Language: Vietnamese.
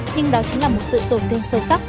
nhưng đó chính là một sự tổn thương sâu sắc